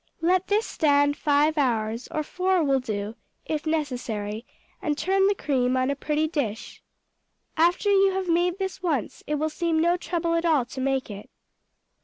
Let this stand five hours, or four will do, if necessary, and turn the cream on a pretty dish. After you have made this once it will seem no trouble at all to make it.